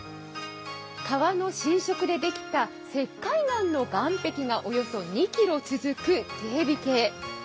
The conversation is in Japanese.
川の浸食でできた石灰岩の岸壁がおよそ２ｋｍ続く猊鼻渓。